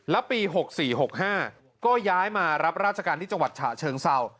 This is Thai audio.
แล้วปี๖๔๖๕ก็ย้ายมารับราชการที่จังหวัดฉะเชิงเศร้า